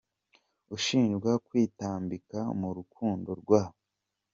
ushinjwa kwitambika mu rukundo rwa.